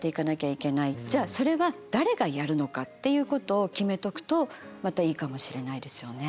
じゃあそれは誰がやるのかっていうことを決めとくとまたいいかもしれないですよね。